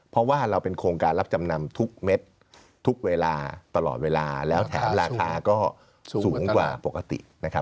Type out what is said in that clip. เพราะว่าเราเป็นโครงการรับจำนำทุกเม็ดทุกเวลาตลอดเวลาแล้วแถมราคาก็สูงกว่าปกตินะครับ